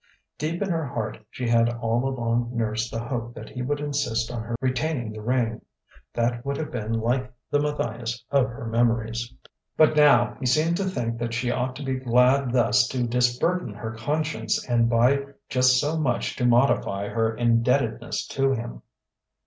Deep in her heart she had all along nursed the hope that he would insist on her retaining the ring. That would have been like the Matthias of her memories! But now he seemed to think that she ought to be glad thus to disburden her conscience and by just so much to modify her indebtedness to him!